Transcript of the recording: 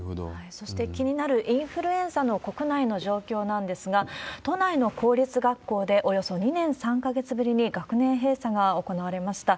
そして気になるインフルエンザの国内の状況なんですが、都内の公立学校で、およそ２年３か月ぶりに学年閉鎖が行われました。